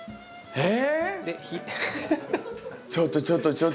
えっ！